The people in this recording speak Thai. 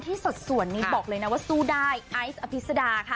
สดส่วนนี้บอกเลยนะว่าสู้ได้ไอซ์อภิษดาค่ะ